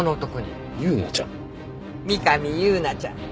三上夕菜ちゃん。